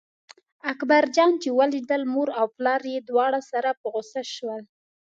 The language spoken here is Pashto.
اکبر جان چې ولیدل مور او پلار یې دواړه سره په غوسه شول.